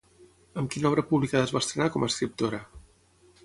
Amb quina obra publicada es va estrenar com a escriptora?